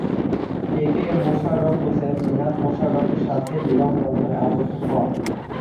এ K M Mosharraf Hossain Jinat মোশাররফের সাথে বিবাহ বন্ধনে আবদ্ধ হন।